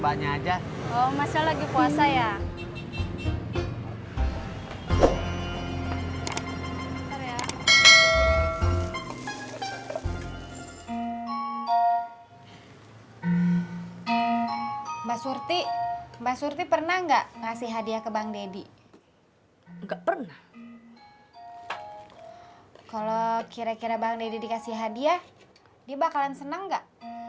kalau kira kira bang deddy dikasih hadiah dia bakalan senang gak